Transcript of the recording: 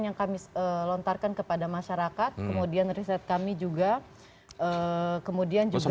yang kami lontarkan kepada masyarakat kemudian riset kami juga kemudian juga